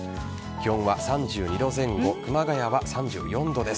気温は３２度前後熊谷は３４度です。